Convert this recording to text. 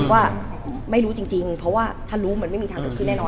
ว่าไม่รู้จริงเพราะว่าถ้ารู้มันไม่มีทางเกิดขึ้นแน่นอน